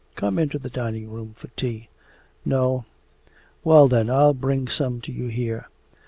Come into the dining room for tea.' 'No...' 'Well then, I'll bring some to you here.